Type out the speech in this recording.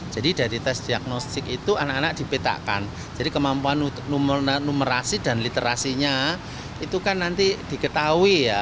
jadi dari tes diagnostik itu anak anak dipetakan jadi kemampuan numerasi dan literasinya itu kan nanti diketahui ya